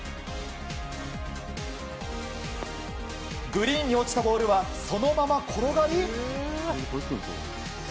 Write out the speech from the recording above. グリーンに落ちたボールはそのまま転がり。